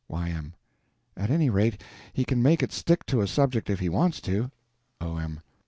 Y.M. At any rate, he can make it stick to a subject if he wants to. O.M.